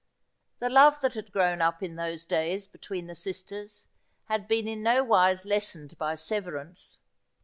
The love that had grown up in those days between the sisters had been in no wise lessened by severance.